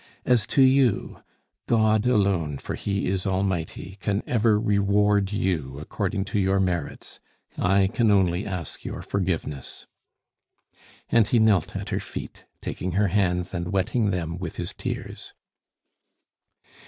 As to you, God alone, for He is Almighty, can ever reward you according to your merits! I can only ask your forgiveness!" and he knelt at her feet, taking her hands and wetting them with his tears.